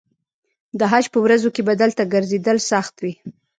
د حج په ورځو کې به دلته ګرځېدل سخت وي.